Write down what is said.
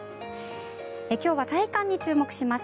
今日は体感に注目します。